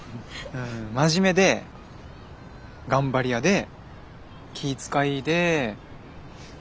真面目で頑張り屋で気ぃ遣いでかわいい。